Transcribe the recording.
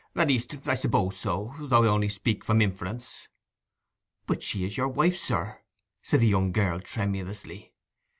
'At least I suppose so—though I only speak from inference!' 'But she is your wife, sir,' said the young girl tremulously.